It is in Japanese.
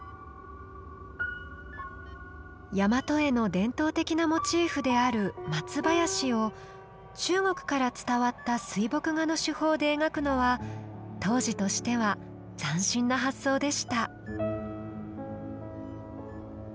大和絵の伝統的なモチーフである松林を中国から伝わった水墨画の手法で描くのは当時としては斬新な発想でした。